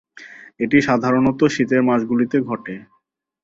এটি সাধারণত শীতের মাসগুলিতে ঘটে।